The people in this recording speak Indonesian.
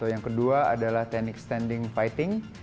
yang kedua adalah teknik standing fighting